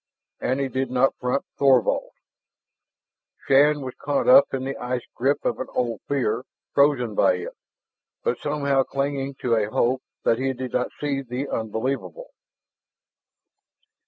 And he did not front Thorvald. Shann was caught up in the ice grip of an old fear, frozen by it, but somehow clinging to a hope that he did not see the unbelievable.